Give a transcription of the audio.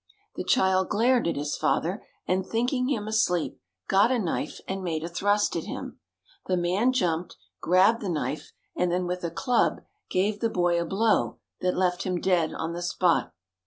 The child glared at his father, and thinking him asleep, got a knife and made a thrust at him. The man jumped, grabbed the knife, and then with a club gave the boy a blow that left him dead on the spot.